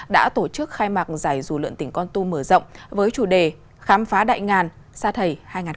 đã tổ chức khai mạc giải dù lượn tỉnh con tum mở rộng với chủ đề khám phá đại ngàn sa thầy hai nghìn hai mươi bốn